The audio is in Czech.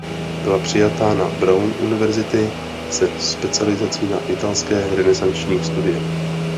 Byla přijata na Brown University se specializací na italské renesanční studie.